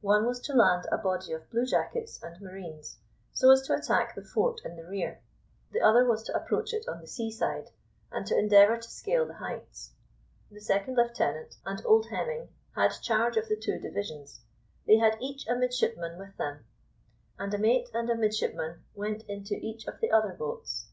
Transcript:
One was to land a body of bluejackets and marines, so as to attack the fort in the rear; the other was to approach it on the sea side, and to endeavour to scale the heights. The second lieutenant and old Hemming had charge of the two divisions; they had each a midshipman with them, and a mate and a midshipman went into each of the other boats.